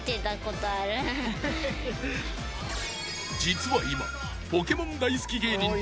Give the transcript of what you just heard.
［実は今］